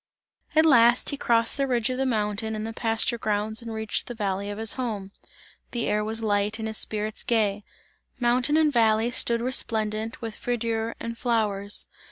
At last he crossed the ridge of the mountain and the pasture grounds and reached the valley of his home; the air was light and his spirits gay, mountain and valley stood resplendent with verdure and flowers.